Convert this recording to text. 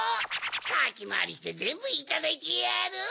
さきまわりしてぜんぶいただいてやる！